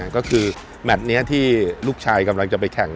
ก็คือแมทนี้ที่ลูกชายกำลังจะไปแข่ง